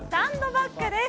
バッグです。